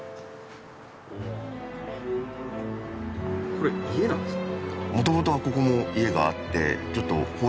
これ家なんですか？